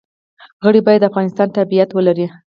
غړي باید د افغانستان تابعیت ولري.